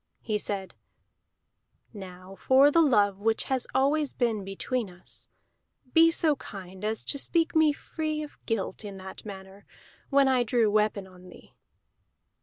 He said: "Now for the love which has always been between us, be so kind as to speak me free of guilt in that matter, when I drew weapon on thee."